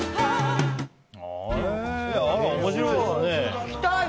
面白いですね。